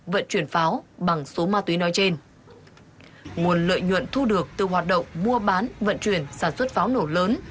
vận chuyển pháo bằng số ma túy nói trên nguồn lợi nhuận thu được từ hoạt động mua bán vận chuyển sản xuất pháo nổ lớn